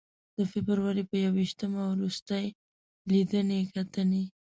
د فبروري په ی ویشتمه روستۍ لیدنې کتنې.